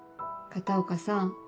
片岡さん